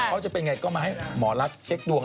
เขาจะเป็นไงก็มาให้หมอรักเช็คดวง